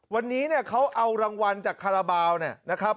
วันนี้เนี่ยเขาเอารางวัลจากคาราบาลเนี่ยนะครับ